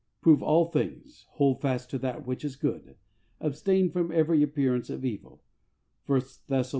Prove all things, hold fast that which is good. Abstain from every appearance of evil " (i Thtss.